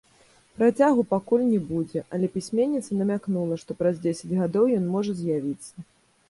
Працягу пакуль не будзе, але пісьменніца намякнула, што праз дзесяць гадоў ён можа з'явіцца.